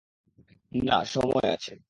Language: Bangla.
না, সময় আছে।